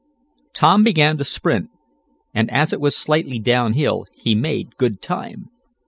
Tom began to sprint, and as it was slightly down hill, he made good time.